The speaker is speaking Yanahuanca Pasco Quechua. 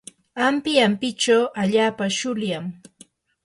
ampi ampichaw allaapa shuylam.